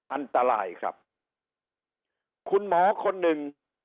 อันตรายครับคุณหมอคนหนึ่ง